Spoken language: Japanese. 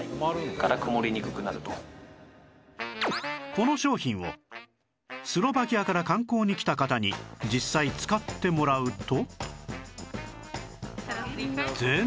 この商品をスロバキアから観光に来た方に実際使ってもらうと